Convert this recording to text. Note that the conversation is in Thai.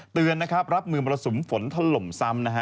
เตือนรับมือมรสุมฝนถล่มซ้ำ